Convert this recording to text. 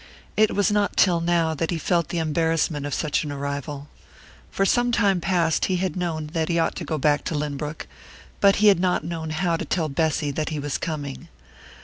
It was not till now that he felt the embarrassment of such an arrival. For some time past he had known that he ought to go back to Lynbrook, but he had not known how to tell Bessy that he was coming.